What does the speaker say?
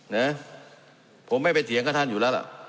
นะผมไม่ไปเถียงกับท่านอยู่แล้วล่ะ